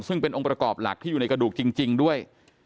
ซึ่งเป็นองค์ประกอบหลักที่อยู่ในกระดูกจริงด้วย